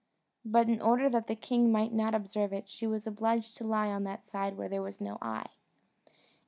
But in order that the king might not observe it, she was obliged to lie on that side where there was no eye.